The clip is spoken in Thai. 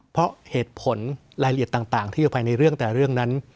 เพราะเหตุผลรายละเอียดต่างที่อยู่ภายในเรื่องแต่เรื่องนั้น